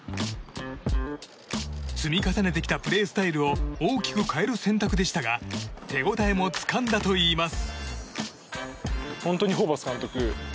積み重ねてきたプレースタイルを大きく変える選択でしたが手応えもつかんだといいます。